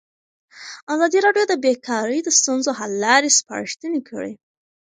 ازادي راډیو د بیکاري د ستونزو حل لارې سپارښتنې کړي.